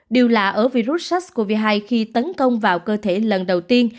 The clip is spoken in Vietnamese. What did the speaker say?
điều lạ ở virus sars cov hai khi tấn công vào cơ thể lần đầu tiên